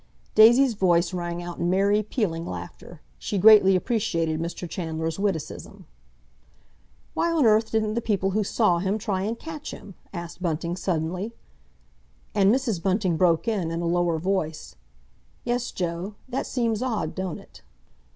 Daisy's voice rang out in merry, pealing laughter. She greatly appreciated Mr. Chandler's witticism. "Why on earth didn't the people who saw him try and catch him?" asked Bunting suddenly. And Mrs. Bunting broke in, in a lower voice, "Yes, Joe—that seems odd, don't it?"